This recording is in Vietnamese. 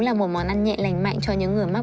là một món ăn nhẹ lành mạnh cho những người mắc